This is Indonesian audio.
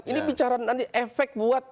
ini bicara efek buat